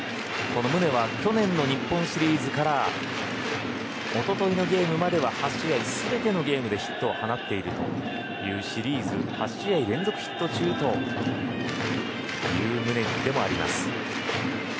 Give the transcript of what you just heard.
この宗は去年の日本シリーズからおとといのゲームまでは８試合、全てのゲームでヒットを放っているというシリーズ８試合連続ヒット中という宗でもあります。